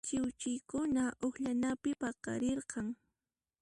Chiwchiykuna uqllanapi paqarirqan.